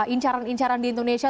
incaran incaran di indonesia